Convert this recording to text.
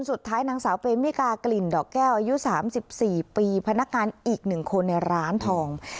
นางสาวเปมิกากลิ่นดอกแก้วอายุ๓๔ปีพนักงานอีก๑คนในร้านทอง